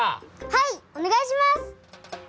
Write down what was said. はいおねがいします！